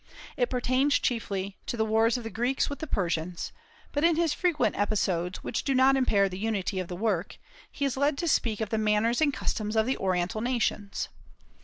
It pertains chiefly to the wars of the Greeks with the Persians; but in his frequent episodes, which do not impair the unity of the work, he is led to speak of the manners and customs of the Oriental nations.